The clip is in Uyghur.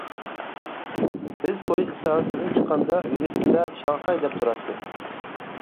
بىز پويىز ئىستانسىدىن چىققاندا ۋىۋىسكىدا شاڭخەي دەپ تۇراتتى.